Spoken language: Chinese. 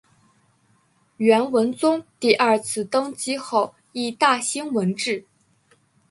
元文宗第二次登基后亦大兴文治。